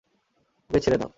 ওকে ছেড়ে দাও!